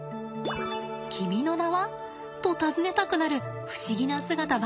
君の名は？と尋ねたくなる不思議な姿ばかり。